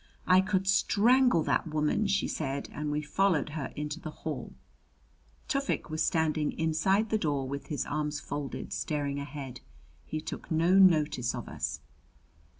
"I could strangle that woman!" she said, and we followed her into the hall. Tufik was standing inside the door with his arms folded, staring ahead. He took no notice of us.